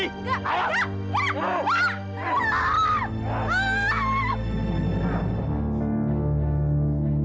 tidak tidak tidak